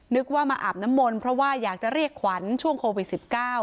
นึกว่ามาอาบน้ำมนต์เพราะว่าอยากจะเรียกขวัญช่วงโควิด๑๙